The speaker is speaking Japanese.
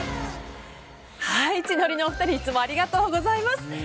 千鳥のお二人いつもありがとうございます。